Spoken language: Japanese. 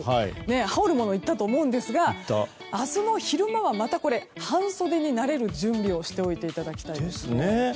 羽織るものが必要だったと思いますが明日も昼間はまた半袖になれる準備をしておいていただきたいです。